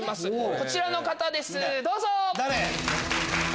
こちらの方ですどうぞ！